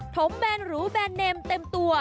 มแบนหรูแบรนเนมเต็มตัว